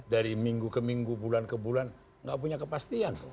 dari minggu ke minggu bulan ke bulan nggak punya kepastian